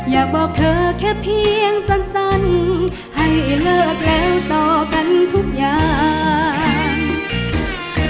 อยากบอกเธอแค่เพียงสั้นให้เลิกแล้วต่อกันทุกอย่าง